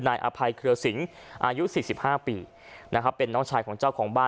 นายอภัยเครือสิงอายุ๔๕ปีนะครับเป็นน้องชายของเจ้าของบ้าน